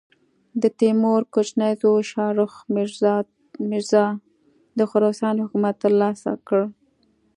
د تیمور کوچني زوی شاهرخ مرزا د خراسان حکومت تر لاسه کړ.